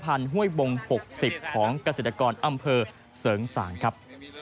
ห้วยบง๖๐ของเกษตรกรอำเภอเสริงสางครับ